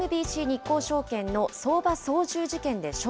ＳＭＢＣ日興証券の相場操縦事件